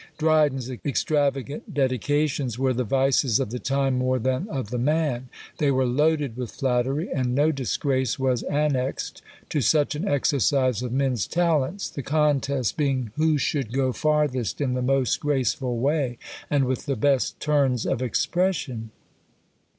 Dryden's extravagant dedications were the vices of the time more than of the man; they were loaded with flattery, and no disgrace was annexed to such an exercise of men's talents; the contest being who should go farthest in the most graceful way, and with the best turns of expression.